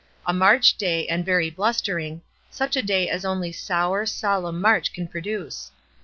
A March day, and very blustering, — such a day as only sour, solemn March nan produce.